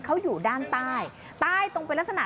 เขาอยู่ด้านใต้ใต้ตรงเป็นลักษณะ